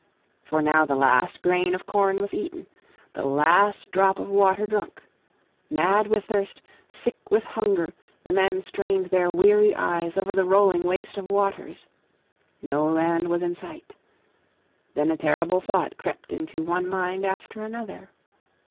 For now the last grain of corn was eaten, the last drop of water drunk. Mad with thirst, sick with hunger, the men strained their weary eyes over the rolling waste of waters. No land was in sight. Then a terrible thought crept into one mind after another.